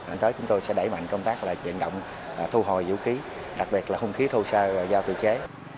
hãy tới chúng tôi sẽ đẩy mạnh công tác là chuyện động thu hồi vũ khí đặc biệt là hung khí thu xa giao tự chế